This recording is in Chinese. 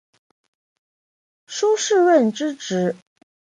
苏士润之侄。